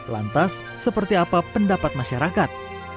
lantas seperti apa pendapat masyarakat